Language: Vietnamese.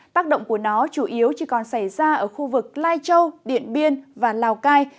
tác động của nó chủ yếu chỉ còn xảy ra ở khu vực lai châu điện biên và lào cai